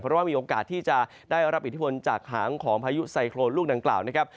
เพราะว่ามีโอกาสที่จะได้รับอิทธิพลจากหางของพายุไซโครนลูกดังกล่าวนะครับ